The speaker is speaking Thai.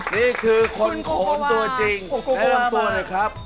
นี่คือคนโขนตัวจริงแนะนำตัวหน่อยครับ